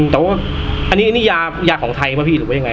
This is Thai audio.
แต่ว่าอันนี้ยาของไทยหรือเป็นยังไง